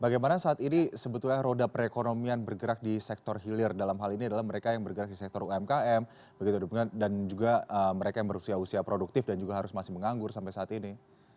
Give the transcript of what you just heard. bagaimana saat ini sebetulnya roda perekonomian bergerak di sektor hilir dalam hal ini adalah mereka yang bergerak di sektor umkm dan juga mereka yang berusia usia produktif dan juga harus masih menganggur sampai saat ini